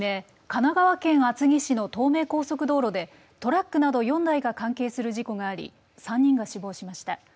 神奈川県厚木市の東名高速道路でトラックなど４台が関係する事故があり３人が死亡しました。